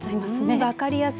分かりやすい。